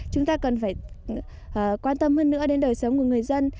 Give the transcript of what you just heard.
chúng ta cần phải quan tâm hơn nữa đến đời sống của người dân